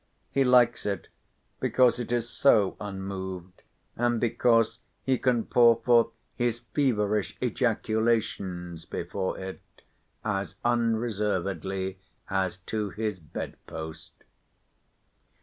He likes it because it is so unmoved, and because he can pour forth his feverish ejaculations before it as unreservedly as to his bed post.